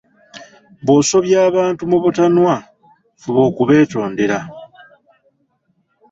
"Bw'osobya abantu mu butanwa, fuba okubeetondere."